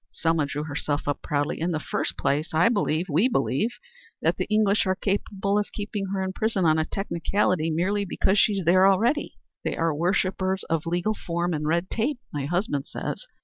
Selma drew herself up proudly. "In the first place I believe we believe that the English are capable of keeping her in prison on a technicality merely because she is there already. They are worshippers of legal form and red tape, my husband says.